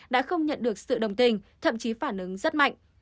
đã không nhận được sự đồng tình thậm chí phản ứng rất mạnh